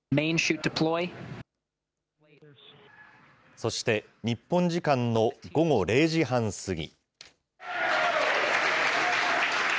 そして、日本時間の午後０時半過ぎ。